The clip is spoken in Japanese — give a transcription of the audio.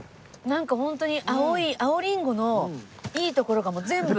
なんかホントに青い青リンゴのいいところがもう全部。